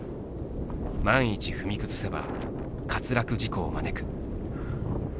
万一踏み崩せば滑落事故を招く。